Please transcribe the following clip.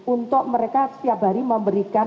untuk mereka setiap hari memberikan